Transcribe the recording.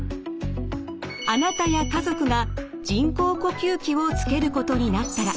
あなたや家族が人工呼吸器をつけることになったら。